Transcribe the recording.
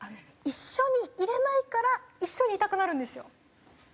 一緒にいれないから一緒にいたくなるんですよ。